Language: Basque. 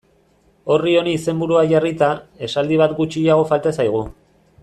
Orri honi izenburua jarrita, esaldi bat gutxiago falta zaigu.